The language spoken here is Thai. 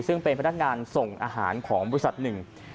ซึ่งเป็นพนักงานส่งอาหารของบริษัทหนึ่ง